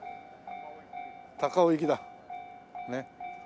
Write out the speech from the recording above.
高尾行きだねっ。